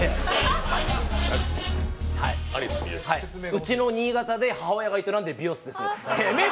はい、うちの新潟で母親が営んでる美容室です。